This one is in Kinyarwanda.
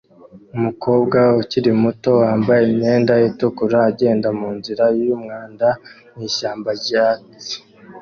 Umukobwa ukiri muto wambaye imyenda itukura agenda munzira yumwanda mwishyamba ryatsi